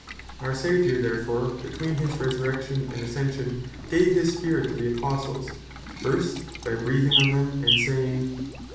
Our Saviour therefore between his Resurrection, and Ascension, gave his Spirit to the Apostles; first, by "Breathing on them, and saying," (John 20.